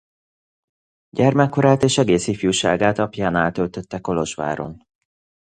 Gyermekkorát és egész ifjúságát apjánál töltötte Kolozsváron.